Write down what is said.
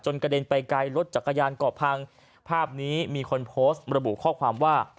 กระเด็นไปไกลรถจักรยานก่อพังภาพนี้มีคนโพสต์ระบุข้อความว่า